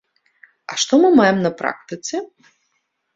А што мы маем на практыцы?